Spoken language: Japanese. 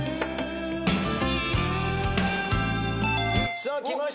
さあきました